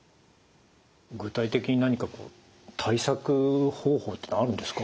具体的に何かこう対策方法っていうのはあるんですか？